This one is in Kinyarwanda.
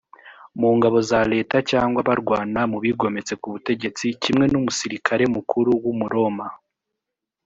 mu ngabo za leta cyangwa barwana mu bigometse ku butegetsi kimwe n umusirikare mukuru w umuroma